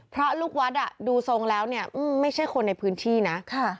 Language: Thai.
พระลูกวัดดูทรงแล้วเนี่ยไม่ใช่คนในพื้นที่นะ